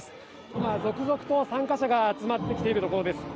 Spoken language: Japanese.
今、続々と参加者が集まってきているところです。